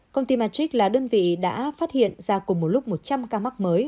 công ty matrick là đơn vị đã phát hiện ra cùng một lúc một trăm linh ca mắc mới